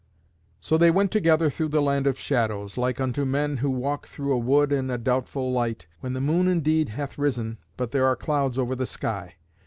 So they went together through the land of shadows, like unto men who walk through a wood in a doubtful light, when the moon indeed hath risen, but there are clouds over the sky.